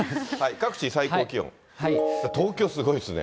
各地、最高気温、東京すごいですね。